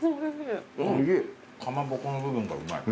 かまぼこの部分がうまい。